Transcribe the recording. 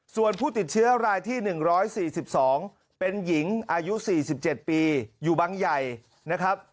ส่วนผู้ติดเชื้อรายที่๑๔๒เป็นหญิงอายุ๔๗ปีอยู่บังใหญ่นะครับ